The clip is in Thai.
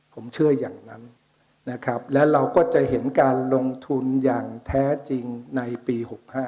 ผมเชื่ออย่างนั้นนะครับและเราก็จะเห็นการลงทุนอย่างแท้จริงในปี๖๕